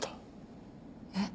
えっ。